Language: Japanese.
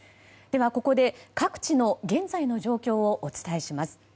では、ここで各地の現在の状況をお伝えします。